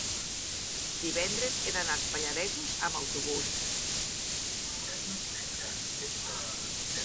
divendres he d'anar als Pallaresos amb autobús.